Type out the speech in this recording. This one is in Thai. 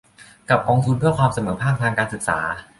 กับกองทุนเพื่อความเสมอภาคทางการศึกษา